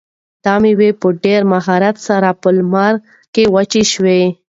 دا مېوې په ډېر مهارت سره په لمر کې وچې شوي.